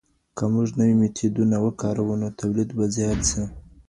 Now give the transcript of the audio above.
که موږ نوي میتودونه وکاروو نو تولید به زیات سي.